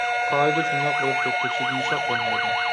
قائىدە شۇنداق بولۇپ كەتتى، چىدىمىساق بولمايدۇ.